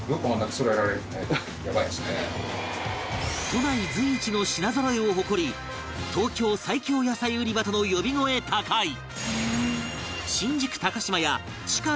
都内随一の品ぞろえを誇り東京最強野菜売り場との呼び声高い